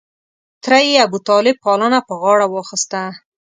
تره یې ابوطالب پالنه په غاړه واخسته.